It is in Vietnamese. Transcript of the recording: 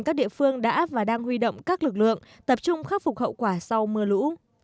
các địa phương đã và đang huy động các lực lượng tập trung khắc phục hậu quả sau mưa lũ